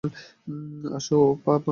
আসে, পারাসু।